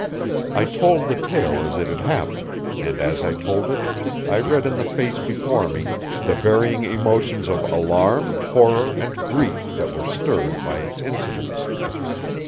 I told the tale as it had happened, and as I told it I read in the face before me the varying emotions of alarm, horror and grief that were stirred by its incidents.